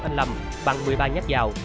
anh lâm bằng một mươi ba nhát vào